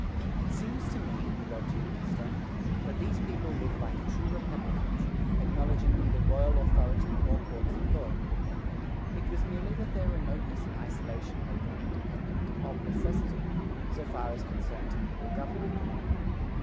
"It seems to me," he wrote to the minister, "that these people live like true republicans, acknowledging neither royal authority nor courts of law." It was merely that their remoteness and isolation made them independent, of necessity, so far as concerned temporal government.